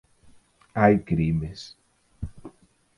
Hai crimes.